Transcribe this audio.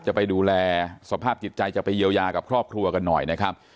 จะไปดูแลสภาพจิตใจจะไปเยียวยากับครอบครัวกันหน่อยนะครับ